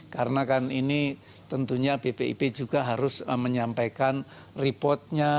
karena kan ini tentunya bpip juga harus menyampaikan reportnya